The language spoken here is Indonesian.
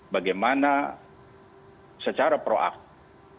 bagaimana secara proaktif